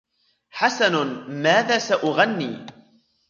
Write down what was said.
حسن ، ماذا سأغني ؟